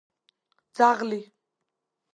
ძაღლი